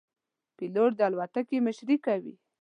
پیلوټ د الوتکې مشري کوي.